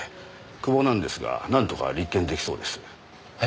久保なんですがなんとか立件出来そうです。え？